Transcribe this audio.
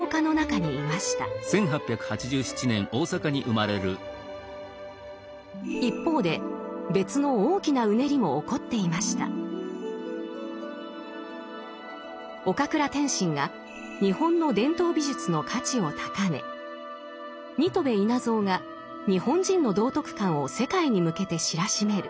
岡倉天心が日本の伝統美術の価値を高め新渡戸稲造が日本人の道徳観を世界に向けて知らしめる。